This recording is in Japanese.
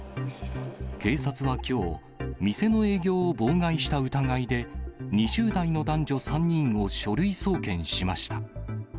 警察はきょう、店の営業を妨害した疑いで、２０代の男女３人を書類送検しました。